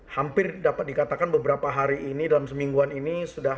hampir dapat dikatakan beberapa hari ini dalam semingguan ini